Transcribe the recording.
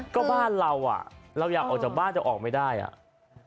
ก็บ้านเราอ่ะเราอยากออกจากบ้านจะออกไม่ได้อ่ะ